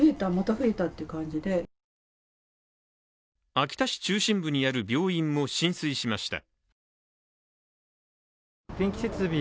秋田市中心部にある病院も浸水しました。